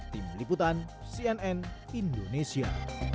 tim liputan cnn indonesia